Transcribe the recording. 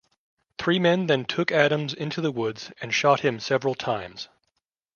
Three men then took Adams into the woods and shot him several times.